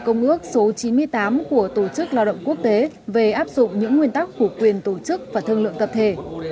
công ước số chín mươi tám của tổ chức lao động quốc tế về áp dụng những nguyên tắc của quyền tổ chức và thương lượng tập thể